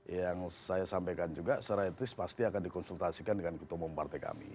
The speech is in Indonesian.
yang saya sampaikan juga secara etis pasti akan dikonsultasikan dengan ketua umum partai kami